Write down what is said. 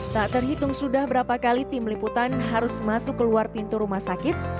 tak terhitung sudah berapa kali tim liputan harus masuk keluar pintu rumah sakit